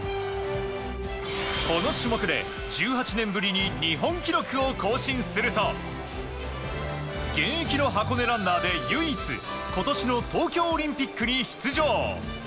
この種目で１８年ぶりに日本記録を更新すると現役の箱根ランナーで唯一、今年の東京オリンピックに出場。